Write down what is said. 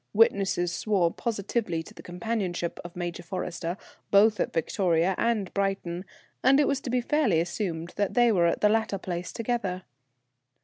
Witnesses swore positively to the companionship of Major Forrester, both at Victoria and Brighton, and it was to be fairly assumed that they were at the latter place together.